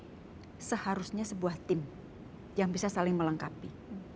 special envoy seharusnya sebuah tim yang bisa saling melengkapi